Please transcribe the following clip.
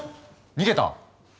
逃げた！